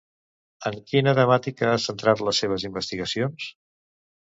En quina temàtica ha centrat les seves investigacions?